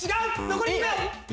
残り２秒！